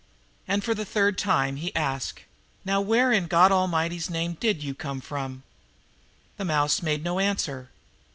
And for the third time he asked. "Now where in God A'mighty's name DID YOU come from?" The mouse made no answer.